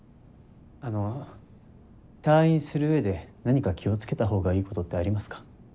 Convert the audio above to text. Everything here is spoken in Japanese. あの退院する上で何か気を付けた方がいいことってありますか？